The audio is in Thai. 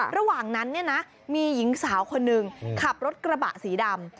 ระหว่างนั้นเนี่ยนะมีหญิงสาวคนหนึ่งขับรถกระบะสีดำ